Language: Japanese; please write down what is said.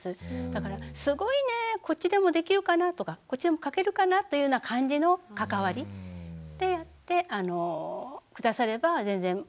だから「すごいねこっちでもできるかな」とか「こっちでも書けるかな」というような感じの関わりでやって下されば全然問題ないと思います。